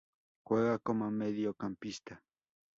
Juega como Mediocampista.